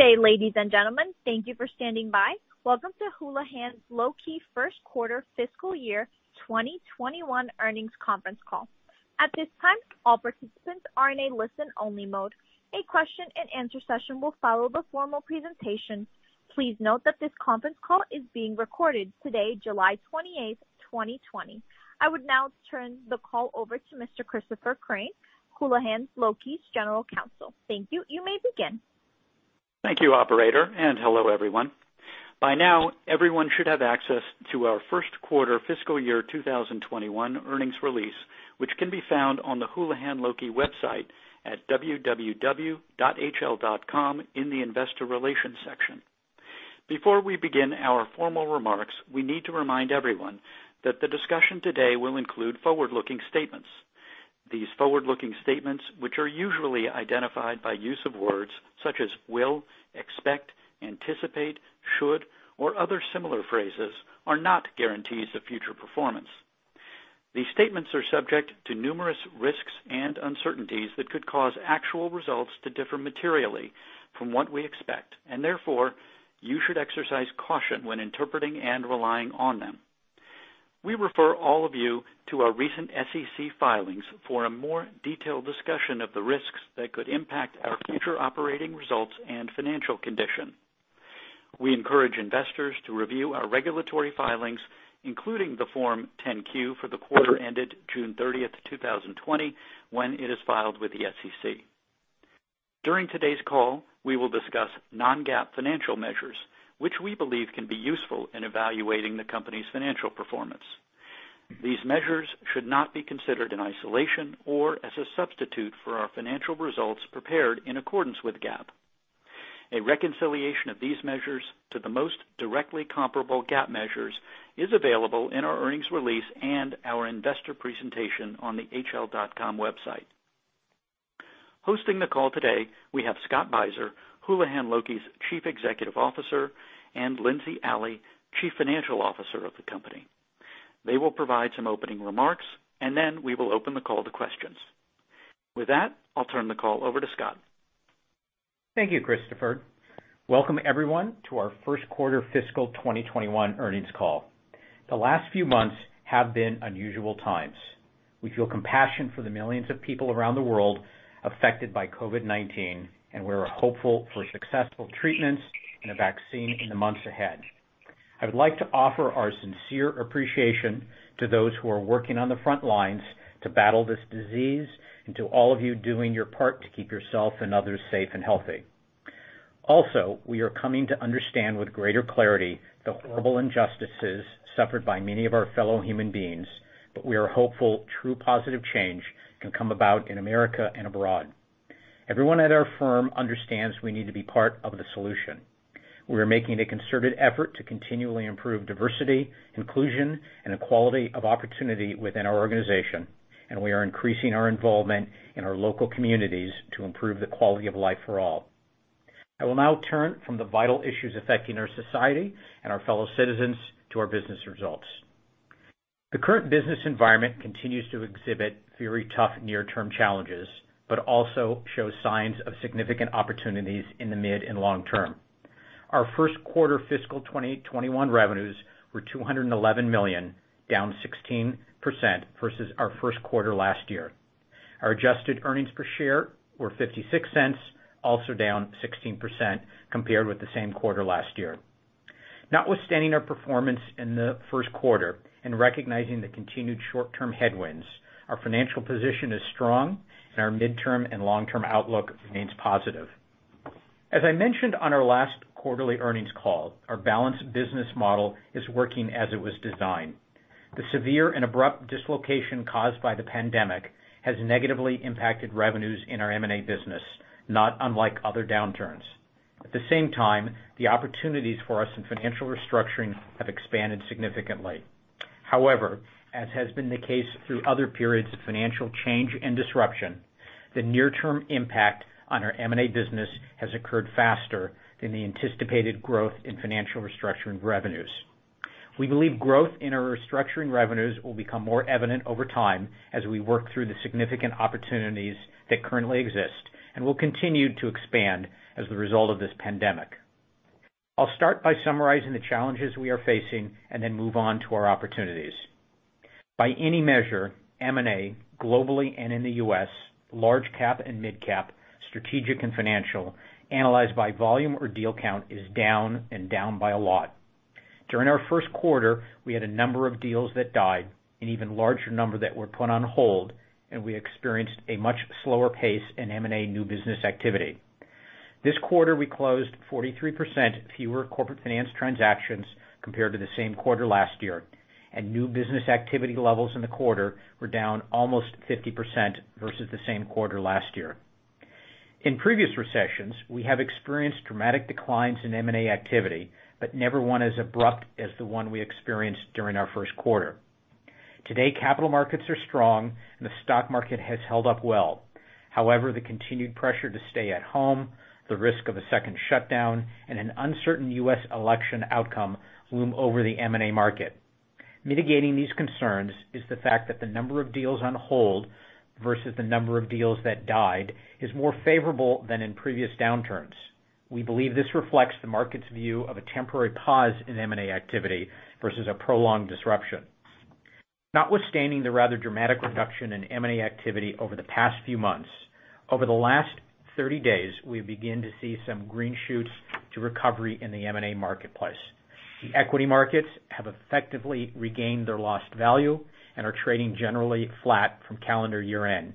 Good day, ladies and gentlemen. Thank you for standing by. Welcome to Houlihan Lokey first quarter fiscal year 2021 earnings conference call. At this time, all participants are in a listen-only mode. A question and answer session will follow the formal presentation. Please note that this conference call is being recorded today, July 28th, 2020. I would now turn the call over to Mr. Christopher Crain, Houlihan Lokey's General Counsel. Thank you. You may begin. Thank you, operator, and hello, everyone. By now, everyone should have access to our first quarter fiscal year 2021 earnings release, which can be found on the Houlihan Lokey website at www.hl.com in the investor relations section. Before we begin our formal remarks, we need to remind everyone that the discussion today will include forward-looking statements. These forward-looking statements, which are usually identified by use of words such as will, expect, anticipate, should, or other similar phrases, are not guarantees of future performance. These statements are subject to numerous risks and uncertainties that could cause actual results to differ materially from what we expect, and therefore, you should exercise caution when interpreting and relying on them. We refer all of you to our recent SEC filings for a more detailed discussion of the risks that could impact our future operating results and financial condition. We encourage investors to review our regulatory filings, including the Form 10-Q for the quarter ended June 30th, 2020, when it is filed with the SEC. During today's call, we will discuss non-GAAP financial measures, which we believe can be useful in evaluating the company's financial performance. These measures should not be considered in isolation or as a substitute for our financial results prepared in accordance with GAAP. A reconciliation of these measures to the most directly comparable GAAP measures is available in our earnings release and our investor presentation on the hl.com website. Hosting the call today, we have Scott Beiser, Houlihan Lokey's Chief Executive Officer, and Lindsey Alley, Chief Financial Officer of the company. They will provide some opening remarks, and then we will open the call to questions. With that, I'll turn the call over to Scott. Thank you, Christopher. Welcome everyone to our first quarter fiscal 2021 earnings call. The last few months have been unusual times. We feel compassion for the millions of people around the world affected by COVID-19, and we're hopeful for successful treatments and a vaccine in the months ahead. I would like to offer our sincere appreciation to those who are working on the front lines to battle this disease and to all of you doing your part to keep yourself and others safe and healthy. Also, we are coming to understand with greater clarity the horrible injustices suffered by many of our fellow human beings. We are hopeful true positive change can come about in America and abroad. Everyone at our firm understands we need to be part of the solution. We are making a concerted effort to continually improve diversity, inclusion, and equality of opportunity within our organization, and we are increasing our involvement in our local communities to improve the quality of life for all. I will now turn from the vital issues affecting our society and our fellow citizens to our business results. The current business environment continues to exhibit very tough near-term challenges, but also shows signs of significant opportunities in the mid and long term. Our first quarter fiscal 2021 revenues were $211 million, down 16% versus our first quarter last year. Our adjusted earnings per share were $0.56, also down 16% compared with the same quarter last year. Notwithstanding our performance in the first quarter and recognizing the continued short-term headwinds, our financial position is strong and our midterm and long-term outlook remains positive. As I mentioned on our last quarterly earnings call, our balanced business model is working as it was designed. The severe and abrupt dislocation caused by the pandemic has negatively impacted revenues in our M&A business, not unlike other downturns. At the same time, the opportunities for us in Financial Restructuring have expanded significantly. As has been the case through other periods of financial change and disruption, the near-term impact on our M&A business has occurred faster than the anticipated growth in Financial Restructuring revenues. We believe growth in our Financial Restructuring revenues will become more evident over time as we work through the significant opportunities that currently exist and will continue to expand as the result of this pandemic. I'll start by summarizing the challenges we are facing and then move on to our opportunities. By any measure, M&A globally and in the U.S., large cap and midcap, strategic and financial, analyzed by volume or deal count is down and down by a lot. During our first quarter, we had a number of deals that died, an even larger number that were put on hold, and we experienced a much slower pace in M&A new business activity. This quarter, we closed 43% fewer Corporate Finance transactions compared to the same quarter last year, and new business activity levels in the quarter were down almost 50% versus the same quarter last year. In previous recessions, we have experienced dramatic declines in M&A activity, but never one as abrupt as the one we experienced during our first quarter. Today, capital markets are strong and the stock market has held up well. However, the continued pressure to stay at home, the risk of a second shutdown, and an uncertain U.S. election outcome loom over the M&A market. Mitigating these concerns is the fact that the number of deals on hold versus the number of deals that died is more favorable than in previous downturns. We believe this reflects the market's view of a temporary pause in M&A activity versus a prolonged disruption. Notwithstanding the rather dramatic reduction in M&A activity over the past few months, over the last 30 days, we begin to see some green shoots to recovery in the M&A marketplace. The equity markets have effectively regained their lost value and are trading generally flat from calendar year-end.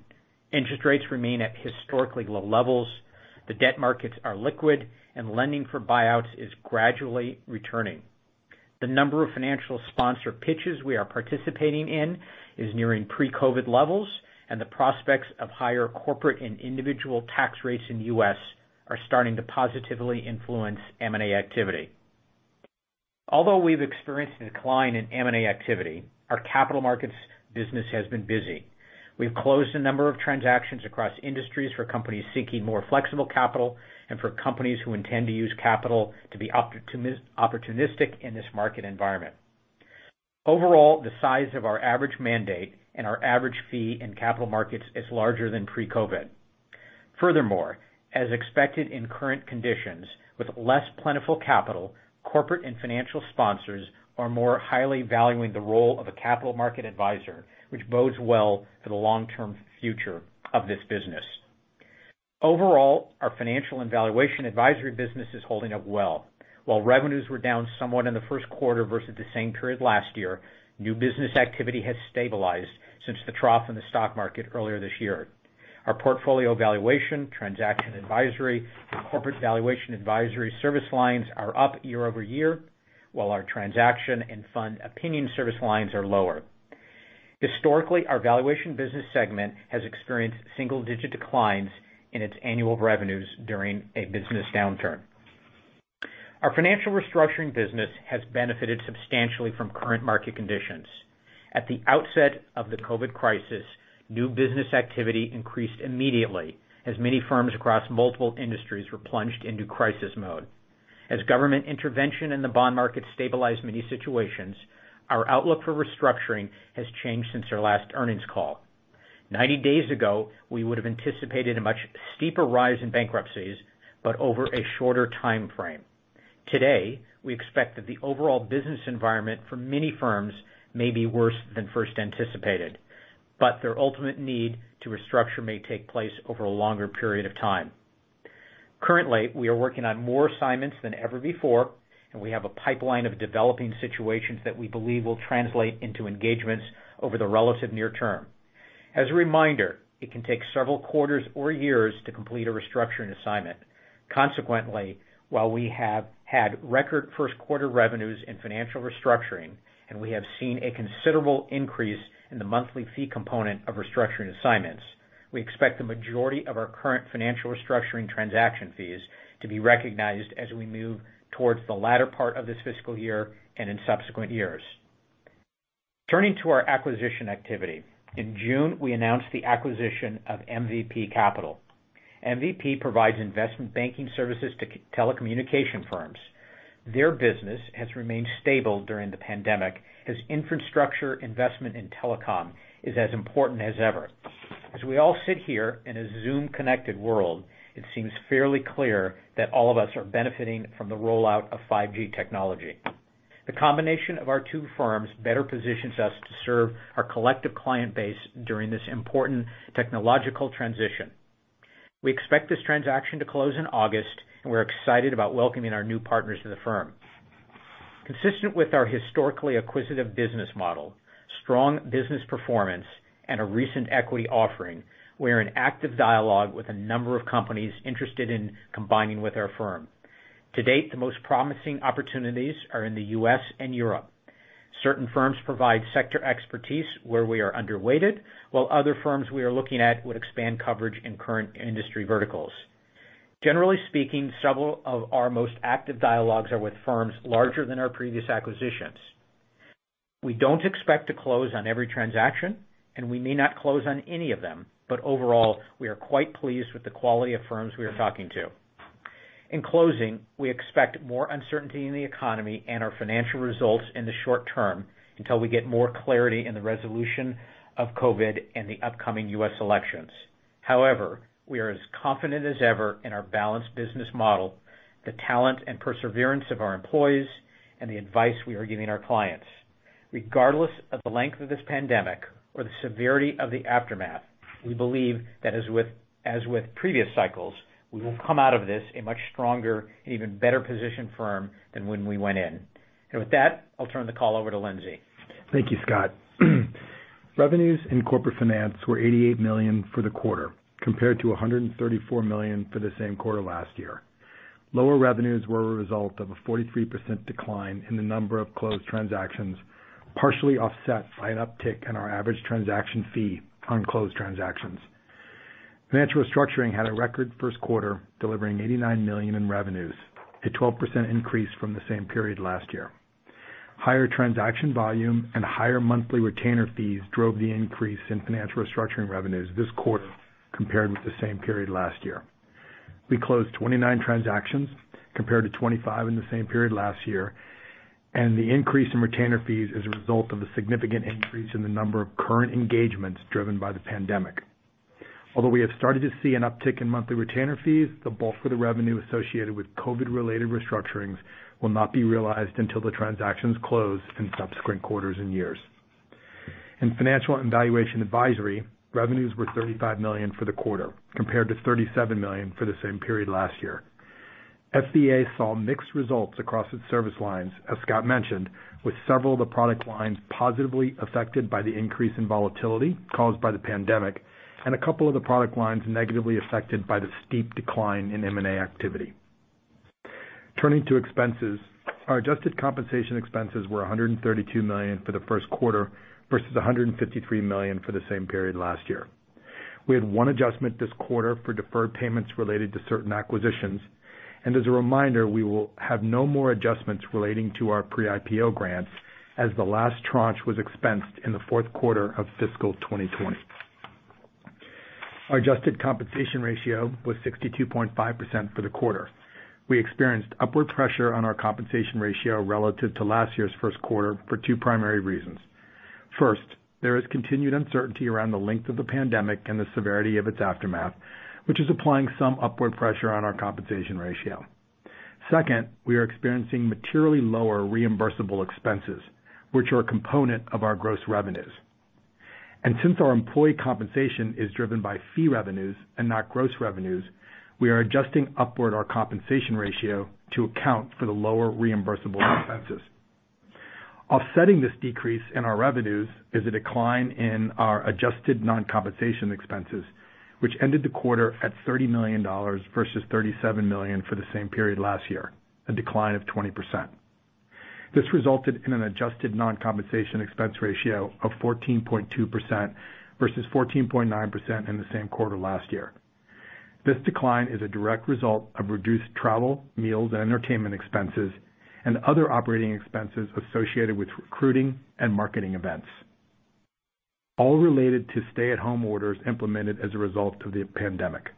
Interest rates remain at historically low levels, the debt markets are liquid, and lending for buyouts is gradually returning. The number of financial sponsor pitches we are participating in is nearing pre-COVID-19 levels, and the prospects of higher corporate and individual tax rates in the U.S. are starting to positively influence M&A activity. Although we've experienced a decline in M&A activity, our capital markets business has been busy. We've closed a number of transactions across industries for companies seeking more flexible capital and for companies who intend to use capital to be opportunistic in this market environment. Overall, the size of our average mandate and our average fee in capital markets is larger than pre-COVID-19. Furthermore, as expected in current conditions, with less plentiful capital, corporate and financial sponsors are more highly valuing the role of a capital market advisor, which bodes well for the long-term future of this business. Overall, our Financial and Valuation Advisory business is holding up well. While revenues were down somewhat in the first quarter versus the same period last year, new business activity has stabilized since the trough in the stock market earlier this year. Our portfolio valuation, transaction advisory, and corporate valuation advisory service lines are up year-over-year, while our transaction and fund opinion service lines are lower. Historically, our valuation business segment has experienced single-digit declines in its annual revenues during a business downturn. Our Financial Restructuring business has benefited substantially from current market conditions. At the outset of the COVID-19 crisis, new business activity increased immediately as many firms across multiple industries were plunged into crisis mode. As government intervention in the bond market stabilized many situations, our outlook for restructuring has changed since our last earnings call. 90 days ago, we would've anticipated a much steeper rise in bankruptcies, but over a shorter timeframe. Today, we expect that the overall business environment for many firms may be worse than first anticipated, but their ultimate need to restructure may take place over a longer period of time. Currently, we are working on more assignments than ever before, and we have a pipeline of developing situations that we believe will translate into engagements over the relative near term. As a reminder, it can take several quarters or years to complete a Restructuring assignment. Consequently, while we have had record first-quarter revenues in Financial Restructuring and we have seen a considerable increase in the monthly fee component of Restructuring assignments, we expect the majority of our current Financial Restructuring transaction fees to be recognized as we move towards the latter part of this fiscal year and in subsequent years. Turning to our acquisition activity. In June, we announced the acquisition of MVP Capital. MVP provides investment banking services to telecommunication firms. Their business has remained stable during the pandemic as infrastructure investment in telecom is as important as ever. As we all sit here in a Zoom-connected world, it seems fairly clear that all of us are benefiting from the rollout of 5G technology. The combination of our two firms better positions us to serve our collective client base during this important technological transition. We expect this transaction to close in August, and we're excited about welcoming our new partners to the firm. Consistent with our historically acquisitive business model, strong business performance, and a recent equity offering, we're in active dialogue with a number of companies interested in combining with our firm. To date, the most promising opportunities are in the U.S. and Europe. Certain firms provide sector expertise where we are underweighted, while other firms we are looking at would expand coverage in current industry verticals. Generally speaking, several of our most active dialogues are with firms larger than our previous acquisitions. We don't expect to close on every transaction, and we may not close on any of them, but overall, we are quite pleased with the quality of firms we are talking to. In closing, we expect more uncertainty in the economy and our financial results in the short term until we get more clarity in the resolution of COVID and the upcoming U.S. elections. However, we are as confident as ever in our balanced business model, the talent and perseverance of our employees, and the advice we are giving our clients. Regardless of the length of this pandemic or the severity of the aftermath, we believe that as with previous cycles, we will come out of this a much stronger and even better-positioned firm than when we went in. With that, I'll turn the call over to Lindsey. Thank you, Scott. Revenues in Corporate Finance were $88 million for the quarter, compared to $134 million for the same quarter last year. Lower revenues were a result of a 43% decline in the number of closed transactions, partially offset by an uptick in our average transaction fee on closed transactions. Financial Restructuring had a record first quarter, delivering $89 million in revenues, a 12% increase from the same period last year. Higher transaction volume and higher monthly retainer fees drove the increase in Financial Restructuring revenues this quarter compared with the same period last year. We closed 29 transactions compared to 25 in the same period last year, and the increase in retainer fees is a result of the significant increase in the number of current engagements driven by the pandemic. Although we have started to see an uptick in monthly retainer fees, the bulk of the revenue associated with COVID-related restructurings will not be realized until the transactions close in subsequent quarters and years. In Financial and Valuation Advisory, revenues were $35 million for the quarter, compared to $37 million for the same period last year. FVA saw mixed results across its service lines, as Scott mentioned, with several of the product lines positively affected by the increase in volatility caused by the pandemic and a couple of the product lines negatively affected by the steep decline in M&A activity. Turning to expenses, our adjusted compensation expenses were $132 million for the first quarter versus $153 million for the same period last year. We had one adjustment this quarter for deferred payments related to certain acquisitions, and as a reminder, we will have no more adjustments relating to our pre-IPO grants as the last tranche was expensed in the fourth quarter of fiscal 2020. Our adjusted compensation ratio was 62.5% for the quarter. We experienced upward pressure on our compensation ratio relative to last year's first quarter for two primary reasons. First, there is continued uncertainty around the length of the pandemic and the severity of its aftermath, which is applying some upward pressure on our compensation ratio. Second, we are experiencing materially lower reimbursable expenses, which are a component of our gross revenues. Since our employee compensation is driven by fee revenues and not gross revenues, we are adjusting upward our compensation ratio to account for the lower reimbursable expenses. Offsetting this decrease in our revenues is a decline in our adjusted non-compensation expenses, which ended the quarter at $30 million versus $37 million for the same period last year, a decline of 20%. This resulted in an adjusted non-compensation expense ratio of 14.2% versus 14.9% in the same quarter last year. This decline is a direct result of reduced travel, meals, and entertainment expenses and other operating expenses associated with recruiting and marketing events, all related to stay-at-home orders implemented as a result of the pandemic.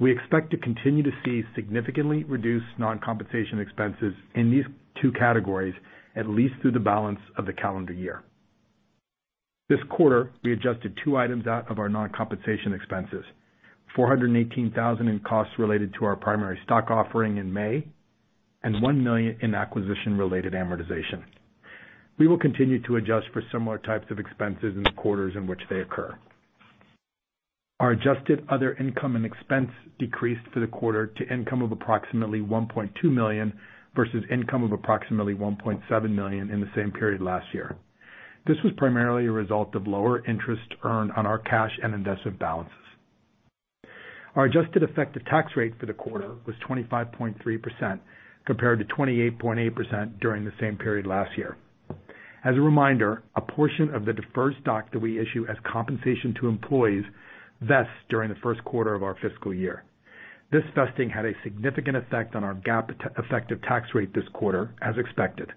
We expect to continue to see significantly reduced non-compensation expenses in these two categories at least through the balance of the calendar year. This quarter, we adjusted two items out of our non-compensation expenses: $418,000 in costs related to our primary stock offering in May and $1 million in acquisition-related amortization. We will continue to adjust for similar types of expenses in the quarters in which they occur. Our adjusted other income and expense decreased for the quarter to income of approximately $1.2 million versus income of approximately $1.7 million in the same period last year. This was primarily a result of lower interest earned on our cash and investment balances. Our adjusted effective tax rate for the quarter was 25.3% compared to 28.8% during the same period last year. As a reminder, a portion of the deferred stock that we issue as compensation to employees vests during the first quarter of our fiscal year. This vesting had a significant effect on our GAAP effective tax rate this quarter, as expected,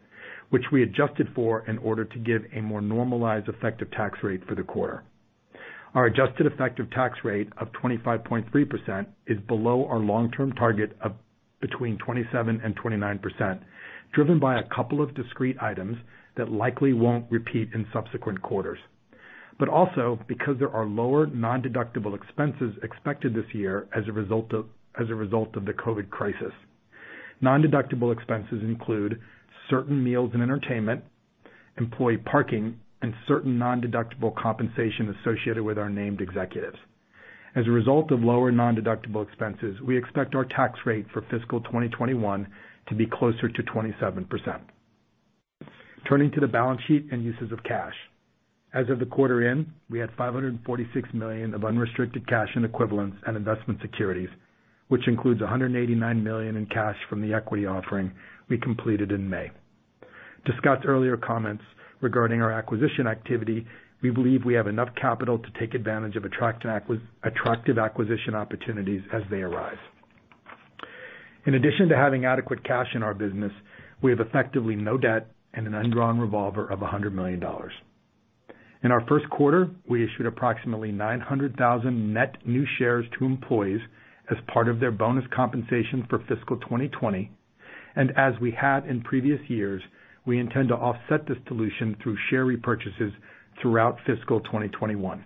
which we adjusted for in order to give a more normalized effective tax rate for the quarter. Our adjusted effective tax rate of 25.3% is below our long-term target of between 27% and 29%, driven by a couple of discrete items that likely won't repeat in subsequent quarters, but also because there are lower non-deductible expenses expected this year as a result of the COVID-19 crisis. Non-deductible expenses include certain meals and entertainment, employee parking, and certain non-deductible compensation associated with our named executives. As a result of lower non-deductible expenses, we expect our tax rate for fiscal 2021 to be closer to 27%. Turning to the balance sheet and uses of cash. As of the quarter end, we had $546 million of unrestricted cash equivalents and investment securities, which includes $189 million in cash from the equity offering we completed in May. To Scott's earlier comments regarding our acquisition activity, we believe we have enough capital to take advantage of attractive acquisition opportunities as they arise. In addition to having adequate cash in our business, we have effectively no debt and an undrawn revolver of $100 million. In our first quarter, we issued approximately 900,000 net new shares to employees as part of their bonus compensation for fiscal 2020. As we have in previous years, we intend to offset this dilution through share repurchases throughout fiscal 2021.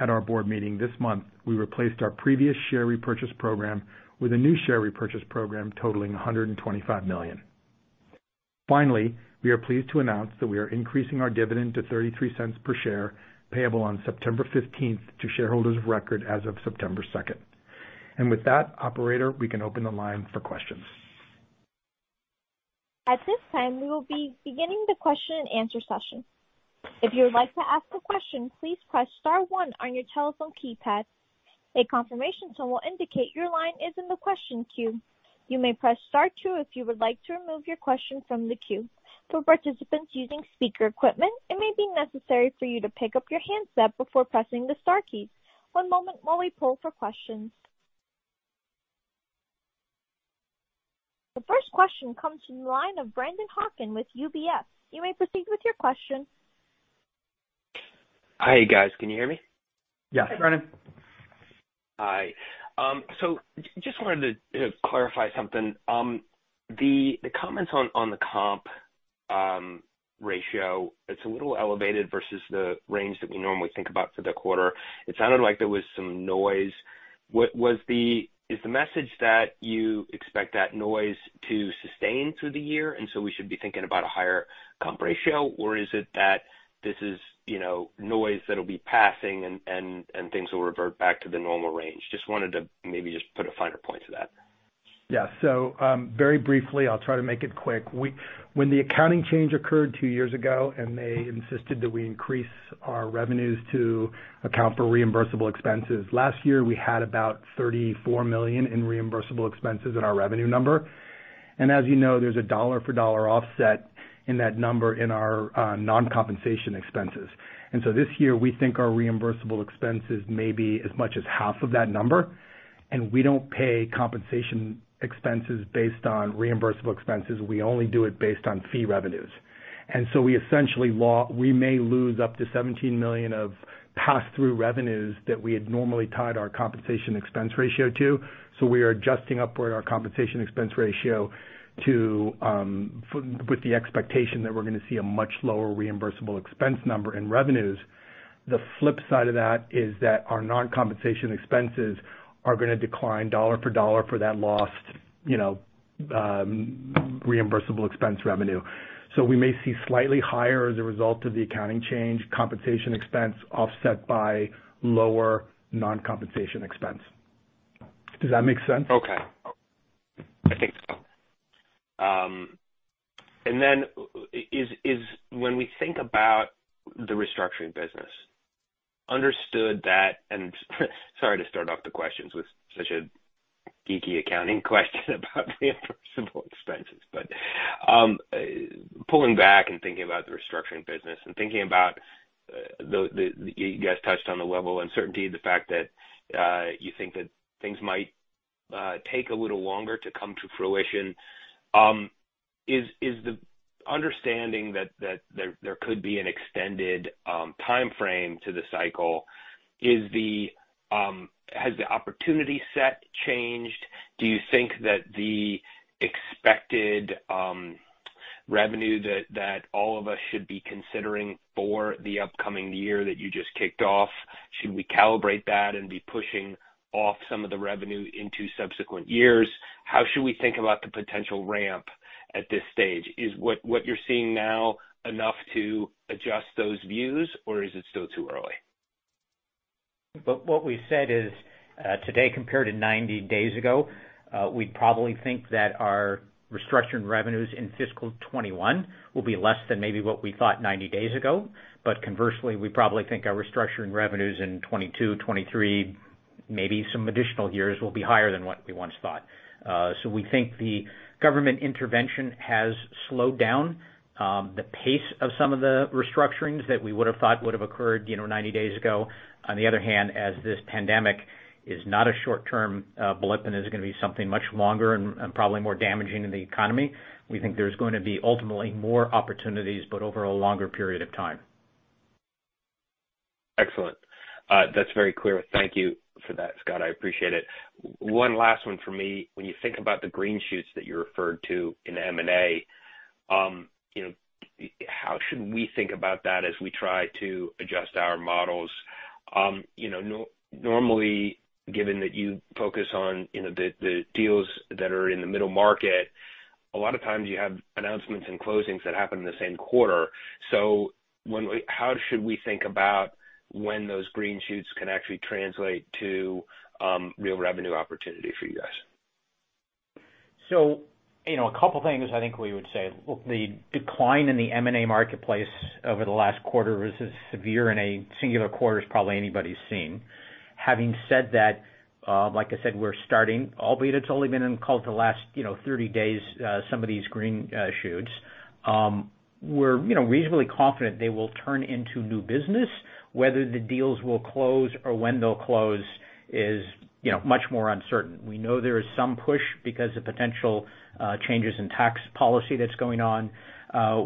At our board meeting this month, we replaced our previous share repurchase program with a new share repurchase program totaling $125 million. We are pleased to announce that we are increasing our dividend to $0.33 per share, payable on September 15th to shareholders of record as of September 2nd. With that, operator, we can open the line for questions. At this time, we will be beginning the question and answer session. If you would like to ask a question, please press star one on your telephone keypad. A confirmation tone will indicate your line is in the question queue. You may press star two if you would like to remove your question from the queue. For participants using speaker equipment, it may be necessary for you to pick up your handset before pressing the star keys. One moment while we poll for questions. The first question comes from the line of Brennan Hawken with UBS. You may proceed with your question. Hi, guys. Can you hear me? Yes. Hi, Brennan. Hi. Just wanted to clarify something. The comments on the comp ratio, it's a little elevated versus the range that we normally think about for the quarter. It sounded like there was some noise. Is the message that you expect that noise to sustain through the year, and so we should be thinking about a higher comp ratio, or is it that this is noise that'll be passing and things will revert back to the normal range? Just wanted to maybe just put a finer point to that. Yeah. Very briefly, I'll try to make it quick. When the accounting change occurred two years ago, they insisted that we increase our revenues to account for reimbursable expenses. Last year, we had about $34 million in reimbursable expenses in our revenue number. As you know, there's a dollar for dollar offset in that number in our non-compensation expenses. This year, we think our reimbursable expenses may be as much as half of that number, and we don't pay compensation expenses based on reimbursable expenses. We only do it based on fee revenues. We essentially may lose up to $17 million of pass-through revenues that we had normally tied our compensation expense ratio to. We are adjusting upward our compensation expense ratio with the expectation that we're going to see a much lower reimbursable expense number in revenues. The flip side of that is that our non-compensation expenses are going to decline dollar for dollar for that lost reimbursable expense revenue. We may see slightly higher as a result of the accounting change compensation expense offset by lower non-compensation expense. Does that make sense? Okay. I think so. When we think about the restructuring business, understood that and sorry to start off the questions with such a geeky accounting question about reimbursable expenses. Pulling back and thinking about the restructuring business and thinking about, you guys touched on the level of uncertainty, the fact that you think that things might take a little longer to come to fruition. Is the understanding that there could be an extended timeframe to the cycle, has the opportunity set changed? Do you think that the expected revenue that all of us should be considering for the upcoming year that you just kicked off, should we calibrate that and be pushing off some of the revenue into subsequent years? How should we think about the potential ramp at this stage? Is what you're seeing now enough to adjust those views, or is it still too early? What we've said is, today compared to 90 days ago, we probably think that our restructuring revenues in fiscal 2021 will be less than maybe what we thought 90 days ago. Conversely, we probably think our restructuring revenues in 2022, 2023, maybe some additional years, will be higher than what we once thought. We think the government intervention has slowed down the pace of some of the restructurings that we would've thought would've occurred 90 days ago. On the other hand, as this pandemic is not a short-term blip and is going to be something much longer and probably more damaging to the economy, we think there's going to be ultimately more opportunities, but over a longer period of time. Excellent. That's very clear. Thank you for that, Scott. I appreciate it. One last one for me. When you think about the green shoots that you referred to in the M&A, how should we think about that as we try to adjust our models? Normally, given that you focus on the deals that are in the middle market, a lot of times you have announcements and closings that happen in the same quarter. How should we think about when those green shoots can actually translate to real revenue opportunity for you guys? A couple of things I think we would say. The decline in the M&A marketplace over the last quarter was as severe in a singular quarter as probably anybody's seen. Having said that, like I said, we're starting, albeit it's only been in the last 30 days, some of these green shoots. We're reasonably confident they will turn into new business. Whether the deals will close or when they'll close is much more uncertain. We know there is some push because of potential changes in tax policy that's going on.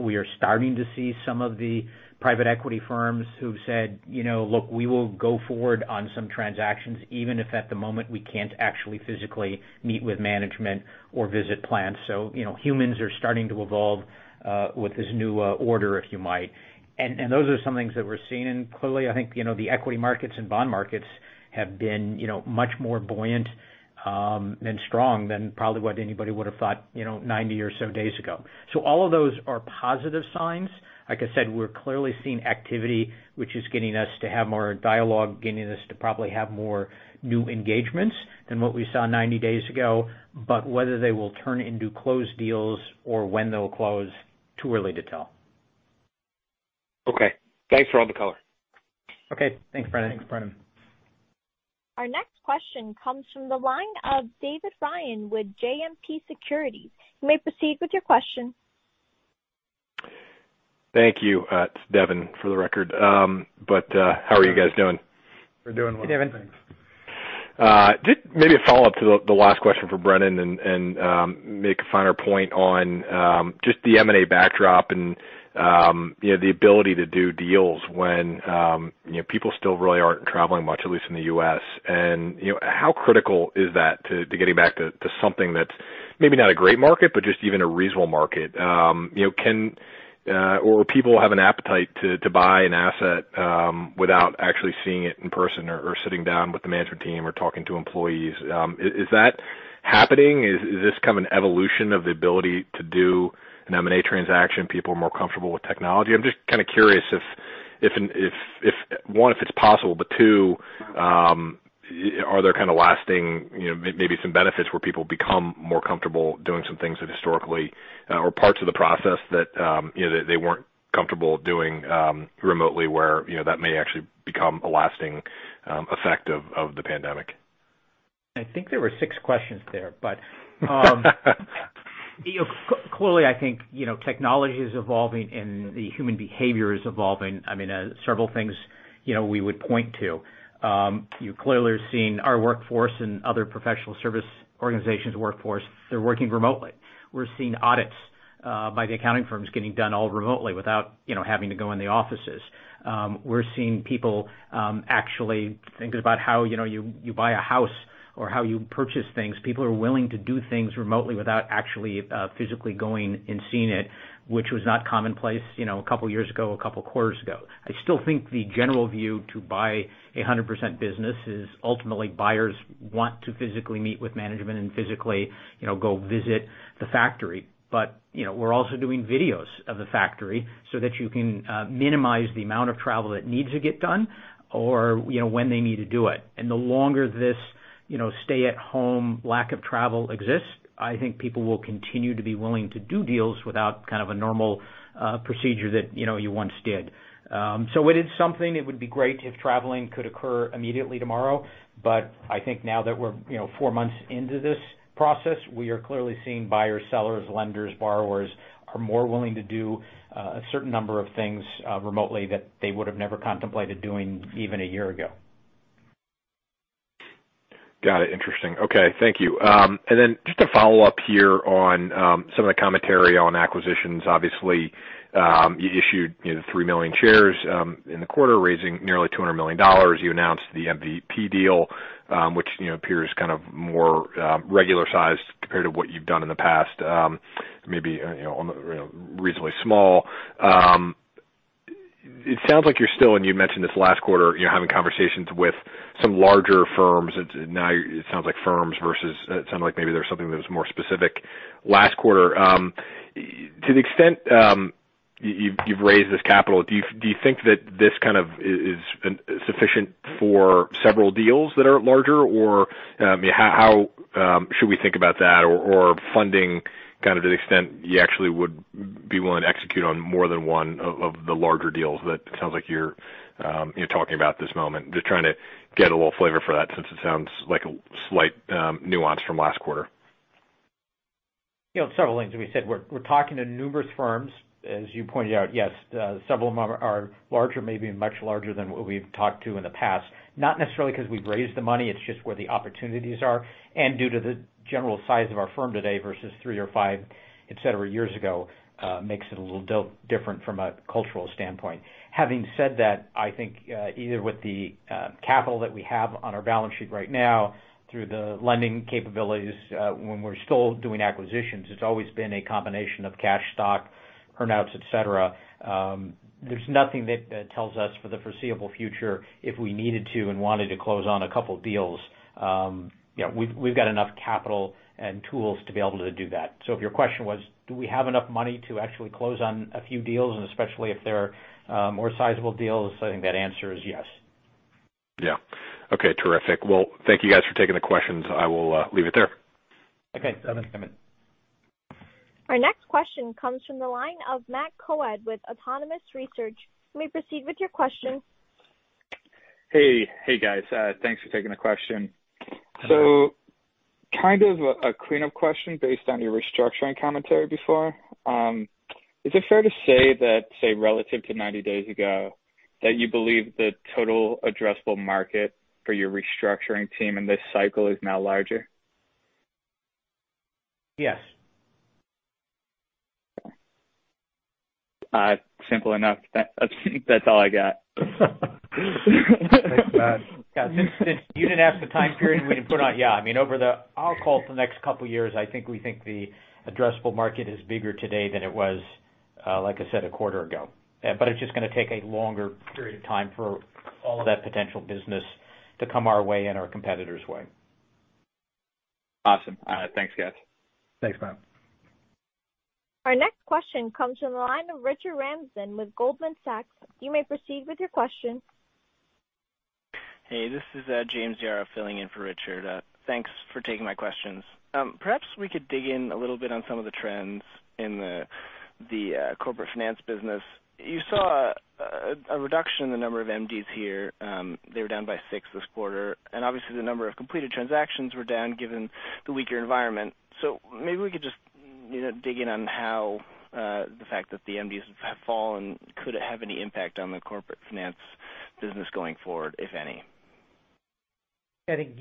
We are starting to see some of the private equity firms who've said, "Look, we will go forward on some transactions, even if at the moment we can't actually physically meet with management or visit plants." Humans are starting to evolve with this new order, if you might. Those are some things that we're seeing, and clearly, I think, the equity markets and bond markets have been much more buoyant and strong than probably what anybody would've thought 90 or so days ago. All of those are positive signs. Like I said, we're clearly seeing activity, which is getting us to have more dialogue, getting us to probably have more new engagements than what we saw 90 days ago. Whether they will turn into closed deals or when they'll close, too early to tell. Okay. Thanks for all the color. Okay. Thanks, Brennan. Thanks, Brennan. Our next question comes from the line of Devin Ryan with JMP Securities. You may proceed with your question. Thank you. It's Devin, for the record. How are you guys doing? We're doing well. Hey, Devin. Just maybe a follow-up to the last question for Brennan, make a finer point on just the M&A backdrop and the ability to do deals when people still really aren't traveling much, at least in the U.S. How critical is that to getting back to something that's maybe not a great market, but just even a reasonable market? People have an appetite to buy an asset without actually seeing it in person or sitting down with the management team or talking to employees. Is that happening? Is this become an evolution of the ability to do an M&A transaction? People are more comfortable with technology. I'm just kind of curious, one, if it's possible, but two, are there kind of lasting maybe some benefits where people become more comfortable doing some things that historically or parts of the process that they weren't comfortable doing remotely where that may actually become a lasting effect of the Pandemic? I think there were six questions there. Clearly, I think technology is evolving and the human behavior is evolving. Several things we would point to. You clearly are seeing our workforce and other professional service organizations' workforce, they're working remotely. We're seeing audits by the accounting firms getting done all remotely without having to go in the offices. We're seeing people actually think about how you buy a house or how you purchase things. People are willing to do things remotely without actually physically going and seeing it, which was not commonplace a couple of years ago, a couple of quarters ago. I still think the general view to buy 100% business is ultimately buyers want to physically meet with management and physical go visit the factory. We're also doing videos of the factory so that you can minimize the amount of travel that needs to get done or when they need to do it. The longer this stay-at-home lack of travel exists, I think people will continue to be willing to do deals without kind of a normal procedure that you once did. It is something it would be great if traveling could occur immediately tomorrow, but I think now that we're four months into this process, we are clearly seeing buyers, sellers, lenders, borrowers are more willing to do a certain number of things remotely that they would've never contemplated doing even a year ago. Got it. Interesting. Okay. Thank you. Just to follow up here on some of the commentary on acquisitions, obviously, you issued 3 million shares in the quarter, raising nearly $200 million. You announced the MVP deal, which appears kind of more regular-sized compared to what you've done in the past. Maybe reasonably small. It sounds like you're still, and you mentioned this last quarter, having conversations with some larger firms. Now it sounds like firms versus it sounded like maybe there was something that was more specific last quarter. To the extent you've raised this capital, do you think that this kind of is sufficient for several deals that are larger? Or how should we think about that? Funding kind of to the extent you actually would be willing to execute on more than one of the larger deals that it sounds like you're talking about this moment. Just trying to get a little flavor for that since it sounds like a slight nuance from last quarter. Several things. We said we're talking to numerous firms. As you pointed out, yes, several of them are larger, maybe much larger than what we've talked to in the past. Not necessarily because we've raised the money, it's just where the opportunities are. Due to the general size of our firm today versus three or five, et cetera, years ago makes it a little different from a cultural standpoint. Having said that, I think either with the capital that we have on our balance sheet right now through the lending capabilities when we're still doing acquisitions, it's always been a combination of cash, stock, earn-outs, et cetera. There's nothing that tells us for the foreseeable future if we needed to and wanted to close on a couple deals. We've got enough capital and tools to be able to do that. If your question was do we have enough money to actually close on a few deals, and especially if they're more sizable deals, I think that answer is yes. Yeah. Okay, terrific. Well, thank you guys for taking the questions. I will leave it there. Okay. Devin, come in. Our next question comes from the line of Matt Coad with Autonomous Research. You may proceed with your question. Hey, guys. Thanks for taking the question. Hello. Kind of a cleanup question based on your restructuring commentary before. Is it fair to say that, say, relative to 90 days ago, that you believe the total addressable market for your restructuring team in this cycle is now larger? Yes. Okay. Simple enough. That's all I got. Thanks, Matt. Yeah. Since you didn't ask the time period we can put on, yeah. I'll call it for the next couple of years, I think we think the addressable market is bigger today than it was, like I said, a quarter ago. It's just going to take a longer period of time for all of that potential business to come our way and our competitors' way. Awesome. Thanks, guys. Thanks, Matt. Our next question comes from the line of Richard Ramsden with Goldman Sachs. You may proceed with your question. Hey, this is James Yaro filling in for Richard. Thanks for taking my questions. Perhaps we could dig in a little bit on some of the trends in the Corporate Finance business. You saw a reduction in the number of MDs here. They were down by six this quarter, and obviously the number of completed transactions were down given the weaker environment. Maybe we could just dig in on how the fact that the MDs have fallen could have any impact on the Corporate Finance business going forward, if any? I think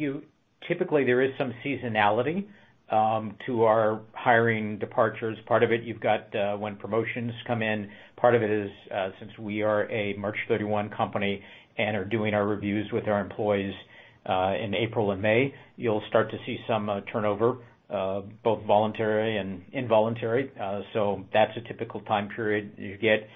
typically there is some seasonality to our hiring departures. Part of it you've got when promotions come in, part of it is since we are a March 31 company and are doing our reviews with our employees in April and May, you'll start to see some turnover, both voluntary and involuntary. That's a typical time period you get.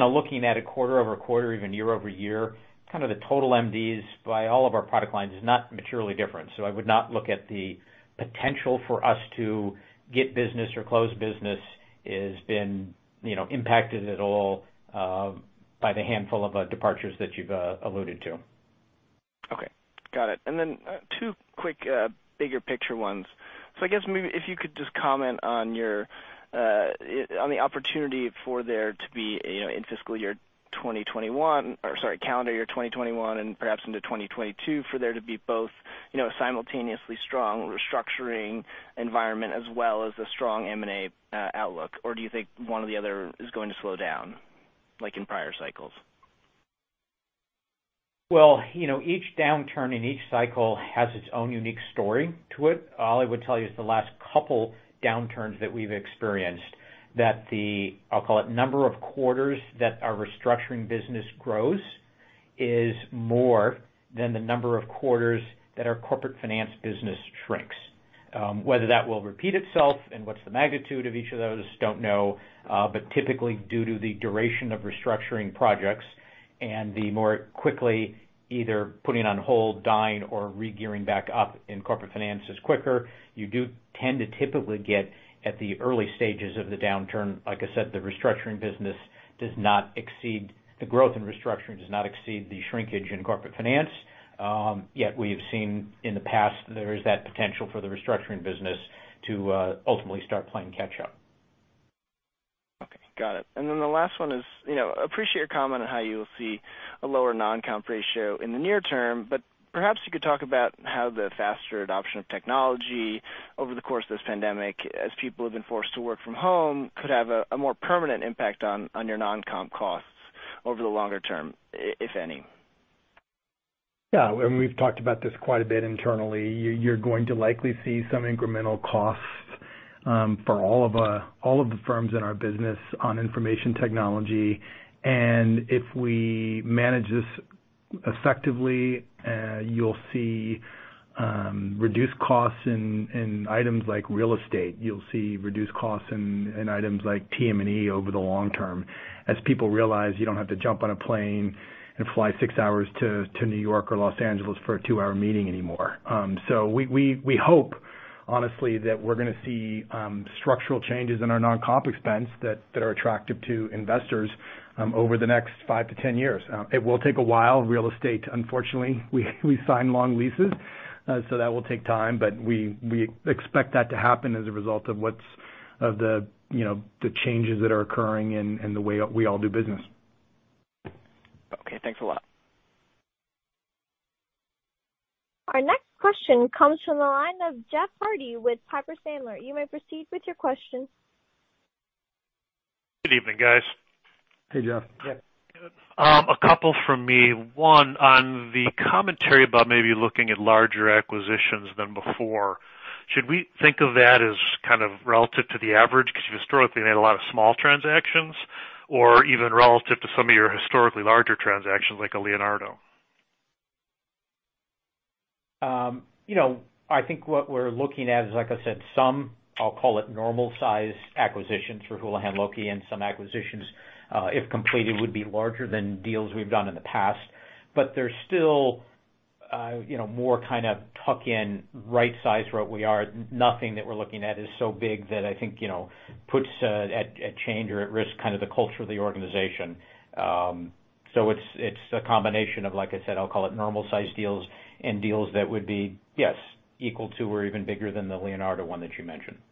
Looking at a quarter-over-quarter, even year-over-year, the total MDs by all of our product lines is not materially different. I would not look at the potential for us to get business or close business has been impacted at all by the handful of departures that you've alluded to. Okay. Got it. Two quick bigger picture ones. I guess maybe if you could just comment on the opportunity for there to be in fiscal year 2021, or sorry, calendar year 2021 and perhaps into 2022, for there to be both simultaneously strong restructuring environment as well as a strong M&A outlook. Do you think one or the other is going to slow down like in prior cycles? Well, each downturn in each cycle has its own unique story to it. All I would tell you is the last couple downturns that we've experienced that the, I'll call it number of quarters that our Restructuring business grows is more than the number of quarters that our Corporate Finance business shrinks. Whether that will repeat itself and what's the magnitude of each of those, don't know. Typically due to the duration of Restructuring projects and the more quickly either putting on hold, dying or re-gearing back up in Corporate Finance is quicker, you do tend to typically get at the early stages of the downturn. Like I said, the growth in Restructuring does not exceed the shrinkage in Corporate Finance. We have seen in the past there is that potential for the Restructuring business to ultimately start playing catch up. Okay. Got it. The last one is, appreciate your comment on how you will see a lower non-comp ratio in the near term. Perhaps you could talk about how the faster adoption of technology over the course of this pandemic as people have been forced to work from home could have a more permanent impact on your non-comp costs over the longer term, if any. Yeah. We've talked about this quite a bit internally. You're going to likely see some incremental costs for all of the firms in our business on information technology. If we manage this effectively, you'll see reduced costs in items like real estate. You'll see reduced costs in items like TM&E over the long term as people realize you don't have to jump on a plane and fly six hours to New York or Los Angeles for a two hour meeting anymore. We hope honestly that we're going to see structural changes in our non-comp expense that are attractive to investors over the next 5 to 10 years. It will take a while. Real estate, unfortunately, we sign long leases. That will take time, but we expect that to happen as a result of the changes that are occurring in the way we all do business. Okay. Thanks a lot. Our next question comes from the line of Jeff Harte with Piper Sandler. You may proceed with your question. Good evening, guys. Hey, Jeff. Jeff. A couple from me. One, on the commentary about maybe looking at larger acquisitions than before, should we think of that as kind of relative to the average because you historically made a lot of small transactions, or even relative to some of your historically larger transactions like a Leonardo? I think what we're looking at is, like I said, some, I'll call it normal size acquisitions for Houlihan Lokey and some acquisitions, if completed, would be larger than deals we've done in the past. There's still more kind of tuck in right size where we are. Nothing that we're looking at is so big that I think puts at change or at risk kind of the culture of the organization. It's a combination of, like I said, I'll call it normal size deals and deals that would be, yes, equal to or even bigger than the Leonardo one that you mentioned. Okay.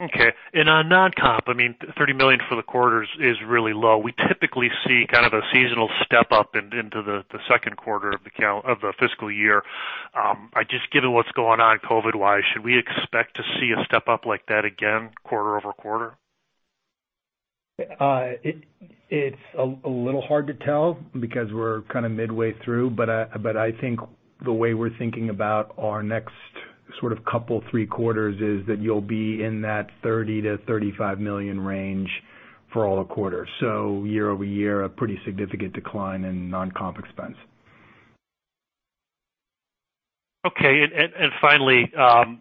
On non-comp, $30 million for the quarters is really low. We typically see kind of a seasonal step up into the second quarter of the fiscal year. Just given what's going on COVID-wise, should we expect to see a step up like that again quarter-over-quarter? It's a little hard to tell because we're kind of midway through, but I think the way we're thinking about our next sort of couple, three quarters is that you'll be in that $30 million-$35 million range for all the quarters. Year-over-year, a pretty significant decline in non-comp expense. Okay. Finally,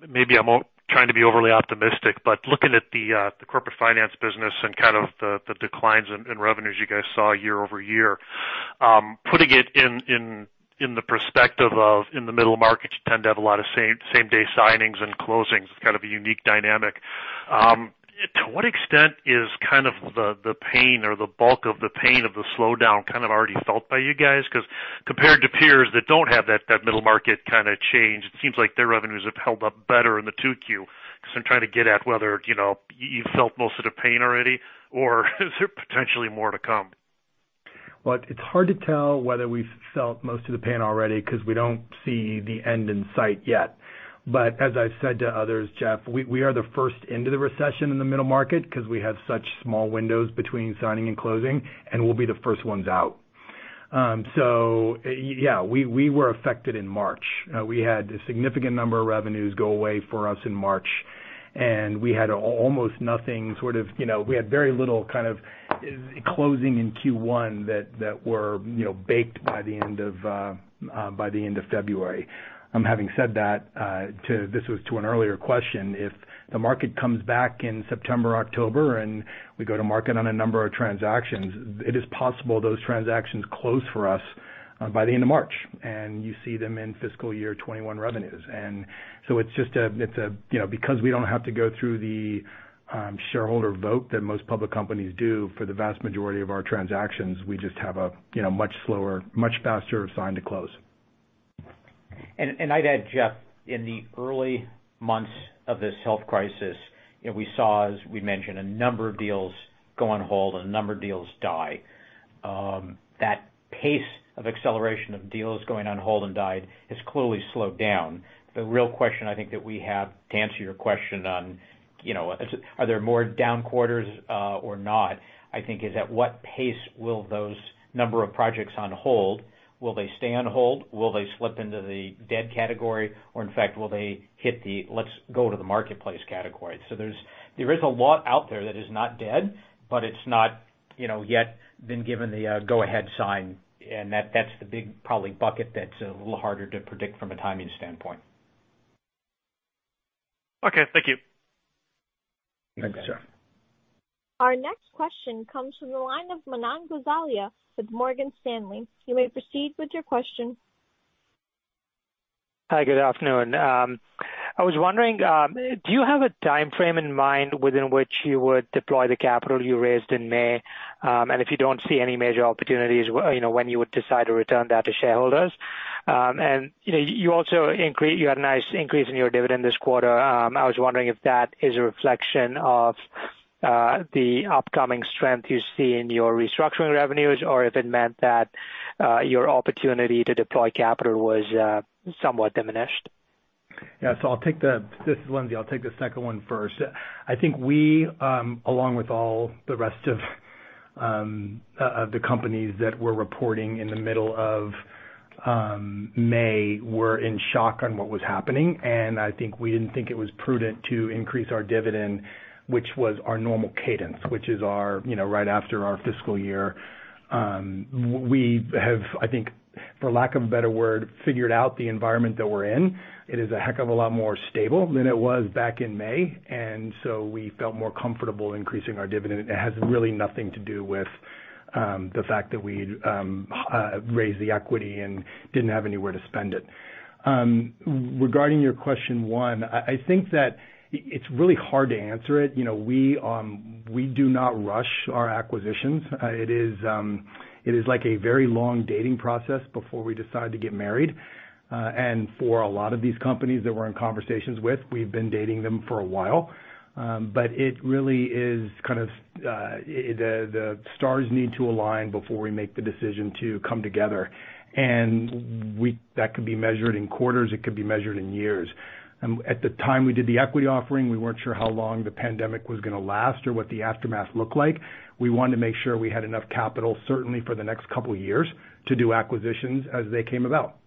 maybe I'm trying to be overly optimistic, but looking at the Corporate Finance business and kind of the declines in revenues you guys saw year-over-year. Putting it in the perspective of in the middle market, you tend to have a lot of same day signings and closings. It's kind of a unique dynamic. To what extent is kind of the pain or the bulk of the pain of the slowdown kind of already felt by you guys? Compared to peers that don't have that middle market kind of change, it seems like their revenues have held up better in the 2Q. I'm trying to get at whether you've felt most of the pain already or is there potentially more to come? Well, it's hard to tell whether we've felt most of the pain already because we don't see the end in sight yet. As I've said to others, Jeff, we are the first into the recession in the middle market because we have such small windows between signing and closing, and we'll be the first ones out. Yeah, we were affected in March. We had a significant number of revenues go away for us in March, and we had very little closing in Q1 that were baked by the end of February. Having said that, this was to an earlier question, if the market comes back in September, October, and we go to market on a number of transactions, it is possible those transactions close for us by the end of March, and you see them in fiscal year 2021 revenues. Because we don't have to go through the shareholder vote that most public companies do for the vast majority of our transactions, we just have a much faster sign to close. I'd add, Jeff, in the early months of this health crisis, we saw, as we mentioned, a number of deals go on hold and a number of deals die. That pace of acceleration of deals going on hold and died has clearly slowed down. The real question I think that we have to answer your question on, are there more down quarters or not, I think is at what pace will those number of projects on hold, will they stay on hold? Will they slip into the dead category or in fact, will they hit the let's go to the marketplace category? There is a lot out there that is not dead, but it's not yet been given the go-ahead sign and that's the big probably bucket that's a little harder to predict from a timing standpoint. Okay, thank you. Thanks, Jeff. Our next question comes from the line of Manan Gosalia with Morgan Stanley. You may proceed with your question. Hi, good afternoon. I was wondering, do you have a timeframe in mind within which you would deploy the capital you raised in May? If you don't see any major opportunities, when you would decide to return that to shareholders? You had a nice increase in your dividend this quarter. I was wondering if that is a reflection of the upcoming strength you see in your restructuring revenues or if it meant that your opportunity to deploy capital was somewhat diminished. Yeah. This is Lindsey. I'll take the second one first. I think we, along with all the rest of the companies that we're reporting in the middle of May, were in shock on what was happening, and I think we didn't think it was prudent to increase our dividend, which was our normal cadence, which is right after our fiscal year. We have, I think, for lack of a better word, figured out the environment that we're in. It is a heck of a lot more stable than it was back in May. We felt more comfortable increasing our dividend. It has really nothing to do with the fact that we'd raised the equity and didn't have anywhere to spend it. Regarding your question one, I think that it's really hard to answer it. We do not rush our acquisitions. It is like a very long dating process before we decide to get married. For a lot of these companies that we're in conversations with, we've been dating them for a while. It really is the stars need to align before we make the decision to come together. That could be measured in quarters, it could be measured in years. At the time we did the equity offering, we weren't sure how long the pandemic was going to last or what the aftermath looked like. We wanted to make sure we had enough capital, certainly for the next couple of years to do acquisitions as they came about.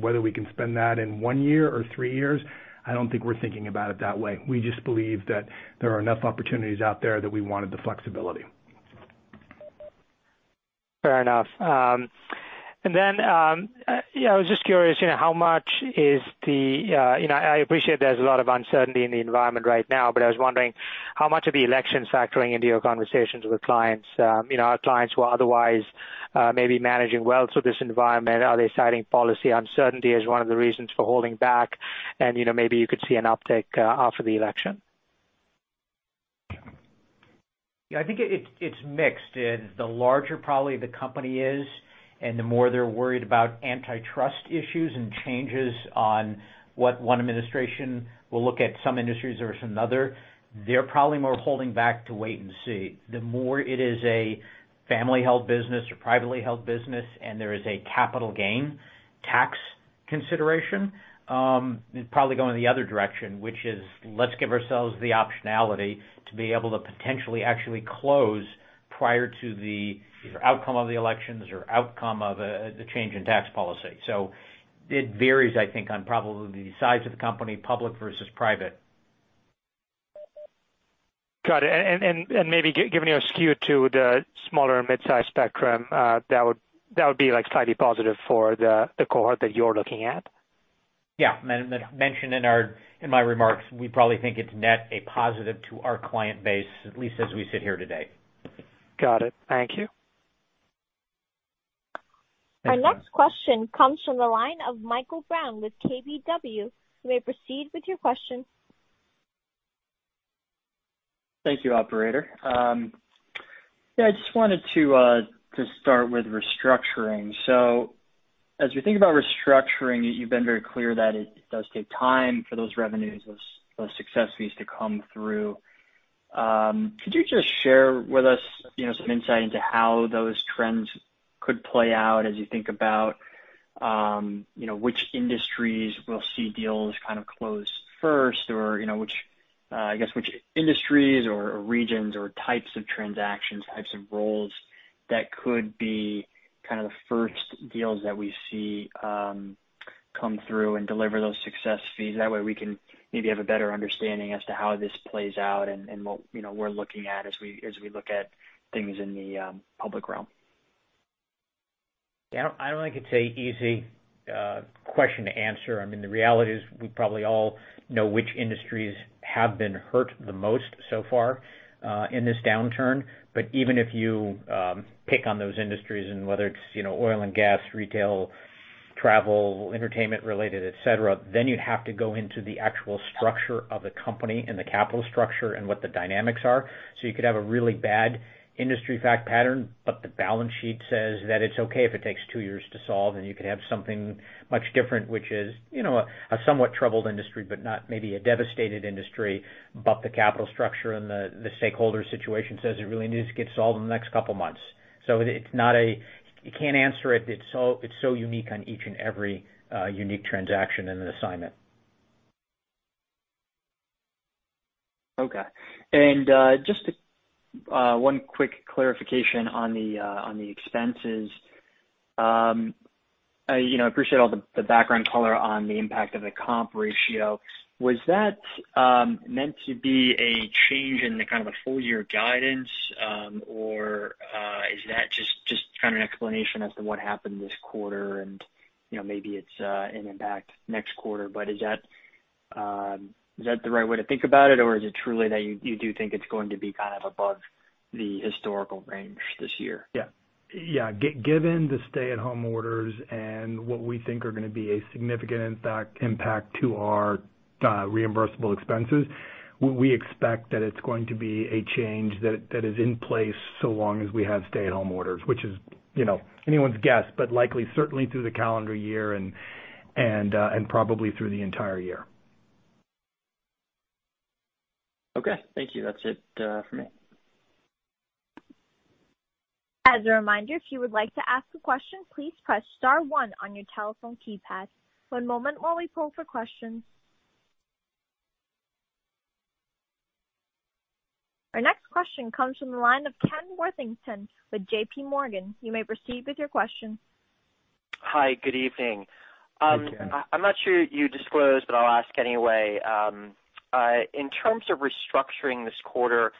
Whether we can spend that in one year or three years, I don't think we're thinking about it that way. We just believe that there are enough opportunities out there that we wanted the flexibility. Fair enough. I was just curious, I appreciate there's a lot of uncertainty in the environment right now, but I was wondering how much of the election is factoring into your conversations with clients. Our clients who are otherwise maybe managing well through this environment, are they citing policy uncertainty as one of the reasons for holding back, and maybe you could see an uptick after the election? Yeah, I think it's mixed. The larger probably the company is and the more they're worried about antitrust issues and changes on what one administration will look at some industries versus another, they're probably more holding back to wait and see. The more it is a family-held business or privately held business and there is a capital gain tax consideration, probably going the other direction, which is let's give ourselves the optionality to be able to potentially actually close prior to the either outcome of the elections or outcome of the change in tax policy. It varies, I think, on probably the size of the company, public versus private. Got it. Maybe giving you a skew to the smaller mid-size spectrum, that would be slightly positive for the cohort that you're looking at? Yeah. Mentioned in my remarks, we probably think it's net a positive to our client base, at least as we sit here today. Got it. Thank you. Thank you. Our next question comes from the line of Michael Brown with KBW. You may proceed with your question. Thank you, operator. Yeah, I just wanted to start with Restructuring. As we think about Restructuring, you've been very clear that it does take time for those revenues, those success fees to come through. Could you just share with us some insight into how those trends could play out as you think about which industries will see deals close first or which industries or regions or types of transactions, types of roles that could be the first deals that we see come through and deliver those success fees. That way, we can maybe have a better understanding as to how this plays out and what we're looking at as we look at things in the public realm. I don't think it's an easy question to answer. The reality is we probably all know which industries have been hurt the most so far in this downturn. Even if you pick on those industries and whether it's oil and gas, retail, travel, entertainment related, et cetera, then you'd have to go into the actual structure of the company and the capital structure and what the dynamics are. You could have a really bad industry fact pattern, but the balance sheet says that it's okay if it takes two years to solve. You could have something much different, which is a somewhat troubled industry, but not maybe a devastated industry. The capital structure and the stakeholder situation says it really needs to get solved in the next couple of months. You can't answer it. It's so unique on each and every unique transaction and an assignment. Okay. Just one quick clarification on the expenses. I appreciate all the background color on the impact of the comp ratio. Was that meant to be a change in the kind of a full-year guidance? Is that just an explanation as to what happened this quarter and maybe it's an impact next quarter, but is that the right way to think about it? Is it truly that you do think it's going to be kind of above the historical range this year? Yeah. Given the stay-at-home orders and what we think are going to be a significant impact to our reimbursable expenses, we expect that it's going to be a change that is in place so long as we have stay-at-home orders, which is anyone's guess, but likely, certainly through the calendar year and probably through the entire year. Okay. Thank you. That's it for me. As a reminder, if you would like to ask a question, please press star one on your telephone keypad. One moment while we poll for questions. Our next question comes from the line of Ken Worthington with JPMorgan. You may proceed with your question. Hi, good evening. Hey, Ken. I'm not sure you disclosed, but I'll ask anyway. In terms of restructuring this quarter,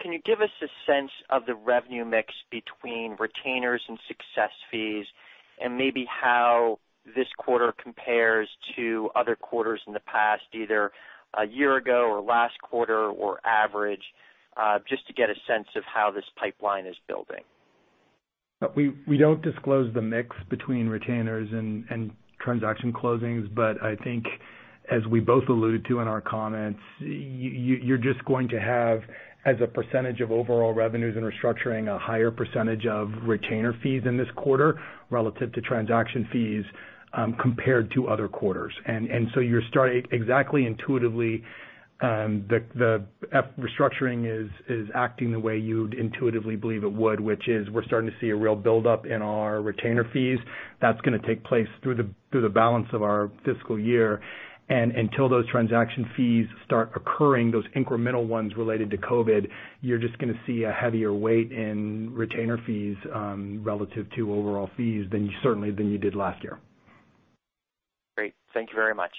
can you give us a sense of the revenue mix between retainers and success fees and maybe how this quarter compares to other quarters in the past, either a year ago or last quarter or average, just to get a sense of how this pipeline is building. We don't disclose the mix between retainers and transaction closings. I think as we both alluded to in our comments, you're just going to have, as a percentage of overall revenues and Financial Restructuring, a higher percentage of retainer fees in this quarter relative to transaction fees compared to other quarters. You're starting exactly intuitively. The Financial Restructuring is acting the way you'd intuitively believe it would, which is we're starting to see a real buildup in our retainer fees that's going to take place through the balance of our fiscal year. Until those transaction fees start occurring, those incremental ones related to COVID, you're just going to see a heavier weight in retainer fees relative to overall fees certainly than you did last year. Great. Thank you very much.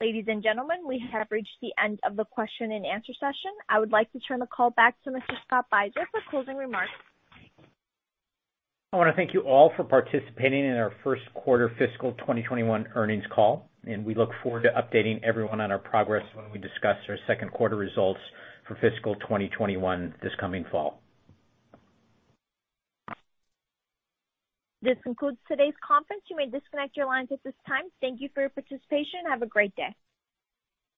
Ladies and gentlemen, we have reached the end of the question and answer session. I would like to turn the call back to Mr. Scott Beiser for closing remarks. I want to thank you all for participating in our first quarter fiscal 2021 earnings call. We look forward to updating everyone on our progress when we discuss our second quarter results for fiscal 2021 this coming fall. This concludes today's conference. You may disconnect your lines at this time. Thank you for your participation. Have a great day.